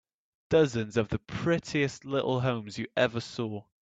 Dozens of the prettiest little homes you ever saw.